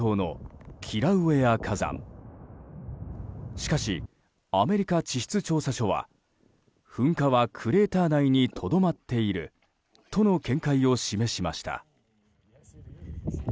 しかし、アメリカ地質調査所は噴火はクレーター内にとどまっているとの見解を示しました。